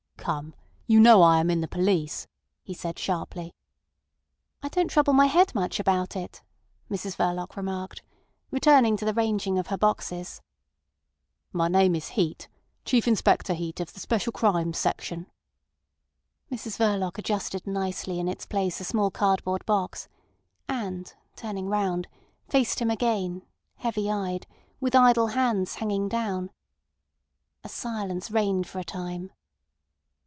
"Come! You know I am in the police," he said sharply. "I don't trouble my head much about it," Mrs Verloc remarked, returning to the ranging of her boxes. "My name is Heat. Chief Inspector Heat of the Special Crimes section." Mrs Verloc adjusted nicely in its place a small cardboard box, and turning round, faced him again, heavy eyed, with idle hands hanging down. A silence reigned for a time.